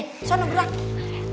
di sana berangkat